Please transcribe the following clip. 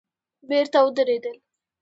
بېرته ودرېدل.